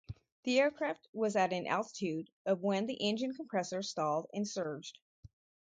The aircraft was at an altitude of when the engine compressor stalled and surged.